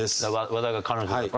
和田が彼女として。